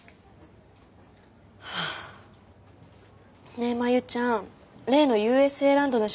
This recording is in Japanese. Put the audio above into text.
ねえ真夕ちゃん例のＵＳＡランドの写真